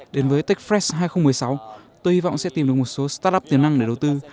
đến với techfres hai nghìn một mươi sáu tôi hy vọng sẽ tìm được một số start up tiềm năng để đầu tư